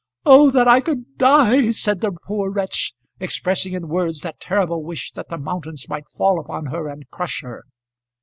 "Oh, that I could die!" said the poor wretch, expressing in words that terrible wish that the mountains might fall upon her and crush her.